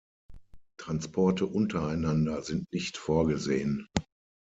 Transporte untereinander sind nicht vorgesehen.